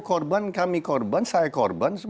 korban kami korban saya korban